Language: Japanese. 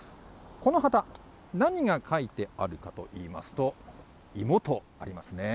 この旗、何が書いてあるかといいますと、いもとありますね。